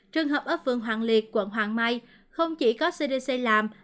trường hợp ở phường hoàng liệt quận hoàng mai không chỉ có cdc làm